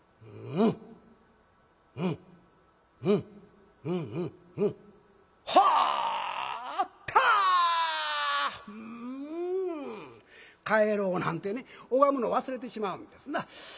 ん！帰ろう」なんてね拝むの忘れてしまうんですな。